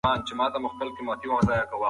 بادام حافظه قوي کوي.